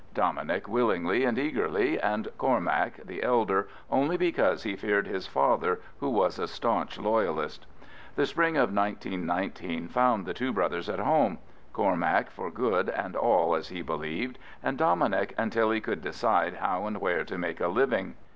Dominic willingly and eagerly, and Cormac, the elder, only because he feared his father, who was a staunch Loyalist. The spring of 1919 found the two brothers at home. Cormac for good and all as he believed, and Dominic until he could decide how and where to make a living.